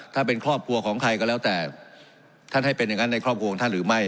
ถ้าเป็นครอบครัวของใครก็แล้วแต่ท่านให้เป็นอย่างนั้นในครอบครัวของท่านหรือไม่